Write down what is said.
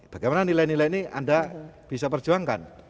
bagaimana nilai nilai ini anda bisa perjuangkan